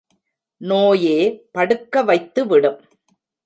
நோயே படுக்க வைத்துவிடும்.